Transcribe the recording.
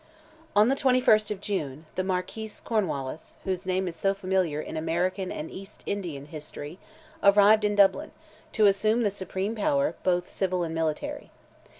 On the 21st of June, the Marquis Cornwallis, whose name is so familiar in American and East Indian history, arrived in Dublin, to assume the supreme power, both civil and military.